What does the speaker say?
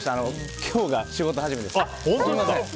今日が仕事始めです。